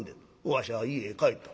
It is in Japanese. わしゃ家へ帰った。